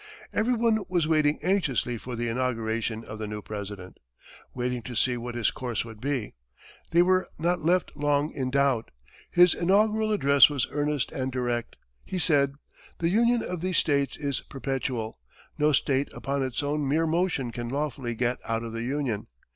Everyone was waiting anxiously for the inauguration of the new President waiting to see what his course would be. They were not left long in doubt. His inaugural address was earnest and direct. He said, "The union of these States is perpetual. No State upon its own mere motion can lawfully get out of the Union.